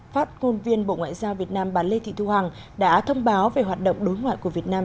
phát ngôn viên bộ ngoại giao việt nam bà lê thị thu hằng đã thông báo về hoạt động đối ngoại của việt nam